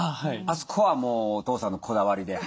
あそこはもうお父さんのこだわりで。